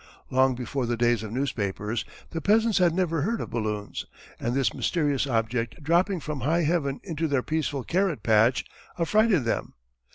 Long before the days of newspapers, the peasants had never heard of balloons, and this mysterious object, dropping from high heaven into their peaceful carrot patch affrighted them.